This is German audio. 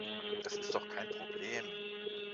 Das ist doch kein Problem.